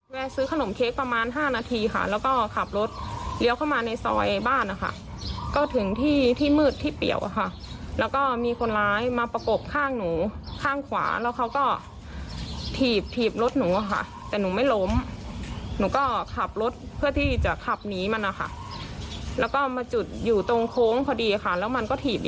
แล้วก็มาจุดอยู่ตรงโค้งพอดีค่ะแล้วมันก็ถีบอีกครั้งหนึ่งก็ล่วงลงไปค่ะ